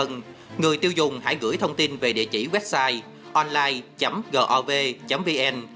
người tiêu dùng hãy gửi thông tin về địa chỉ website online gov vn